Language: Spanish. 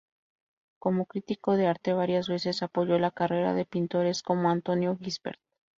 Como crítico de arte varias veces apoyó la carrera de pintores como Antonio Gisbert.